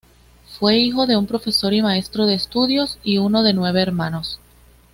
Fue hijo de un profesor y maestro de estudios y uno de nueve hermanos.